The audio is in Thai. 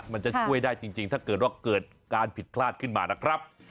มันจะช่วยได้จริงถ้าเกิดว่าเกิดการผิดพลาดขึ้นมานะครับ